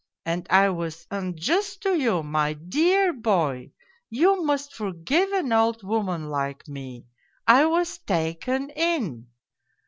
" and I was unjust to you, my dear boy, You must forgive an old woman like me, I was taken in